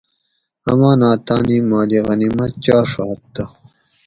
امانات تانی مالِ غنیمت چاڛات تہ